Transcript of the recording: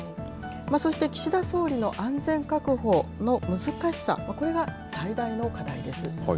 そして岸田総理の安全確保の難しさ、これが最大の課題です。